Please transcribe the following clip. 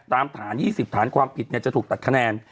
ตามฐาน๒๐ฐานความผิดจะถูกตัดคะแนน